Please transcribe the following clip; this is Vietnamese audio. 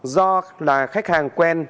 do là khách hàng quen